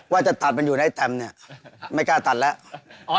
ว่าจะตัดมันอยู่ในแตมเนี่ยไม่กล้าตัดแล้ว